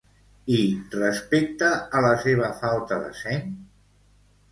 I respecte a la seva falta de seny?